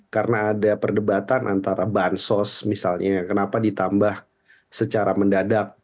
karena ada perdebatan antara bansos misalnya kenapa ditambah secara mendadak